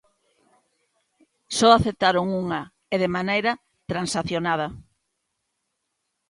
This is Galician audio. Só aceptaron unha, e de maneira transacionada.